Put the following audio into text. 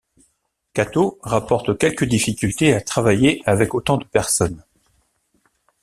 Kato rapporte quelques difficultés à travailler avec autant de personnes.